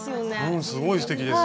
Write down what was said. うんすごいすてきです。